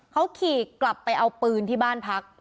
เขาขี่กลับไปเอาปืนที่บ้านพัก